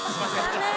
残念。